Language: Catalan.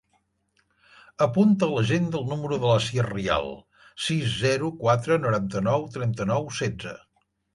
Apunta a l'agenda el número de l'Asier Rial: sis, zero, quatre, noranta-nou, trenta-nou, setze.